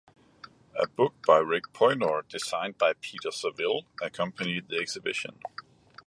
A book by Rick Poynor, "Designed by Peter Saville", accompanied the exhibition.